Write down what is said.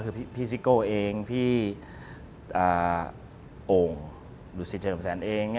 คือพี่ซิโก้เองพี่โอ่งดูสิเจิมแสนเอง